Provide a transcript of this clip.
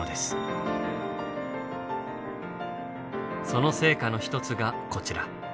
その成果の一つがこちら。